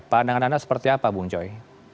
pandangan anda seperti apa bung joy